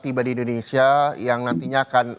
tiba di indonesia yang nantinya akan